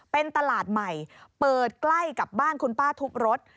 เป็นตลาดใหม่เปิดใกล้กับบ้านคุณป้าทุบรถ